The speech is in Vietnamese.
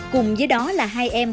cùng với đó là hai em